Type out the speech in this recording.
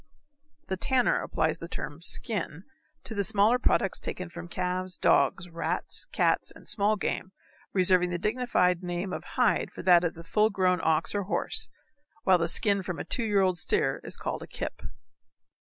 The tanner applies the term, skin, to the smaller product taken from calves, dogs, rats, cats, and small game, reserving the dignified name of hide for that of the full grown ox or horse, while the skin from a two year old steer is called a kip.